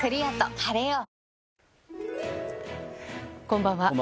こんばんは。